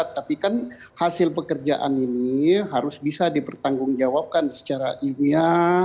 tapi kan hasil pekerjaan ini harus bisa dipertanggung jawabkan secara imia